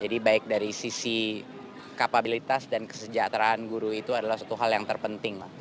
jadi baik dari sisi kapabilitas dan kesejahteraan guru itu adalah satu hal yang terpenting